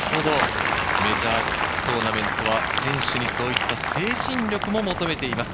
メジャートーナメントは選手にそう言った精神力も求めています。